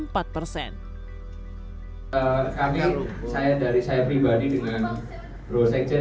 kami saya dari saya pribadi dengan pro seksyen